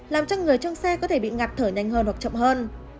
làm cho người trong xe có thể bị ngặt thở nhanh hơn hoặc chậm hơn